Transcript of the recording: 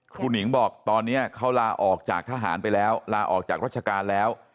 หนิงบอกตอนนี้เขาลาออกจากทหารไปแล้วลาออกจากราชการแล้ว